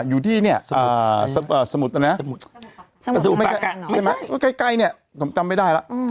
อยู่ที่สมุทรไม่ใช่ไหมใกล้นี่จำไม่ได้ล่ะ